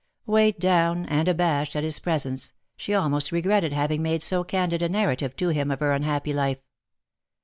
Weighed down and abashed at his presence, she almost regretted having made so candid a narrative to him of her unhappy life.